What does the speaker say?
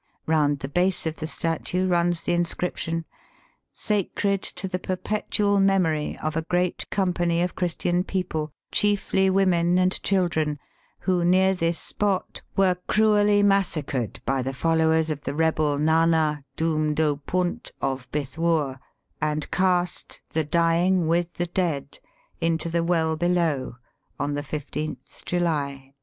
Eound the base of the statue runs the inscription :—*^ Sacred to the perpetual memory of a great company of Christian people, chiefly women and children, who near this spot were cruelly massacred by the followers of the rebel Nana Dhoomdopunt of Bithwoor, and Cast, the dying with the dead, into the well below on the 15th July, 1857."